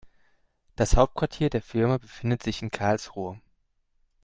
Das Hauptquartier der Firma befindet sich in Karlsruhe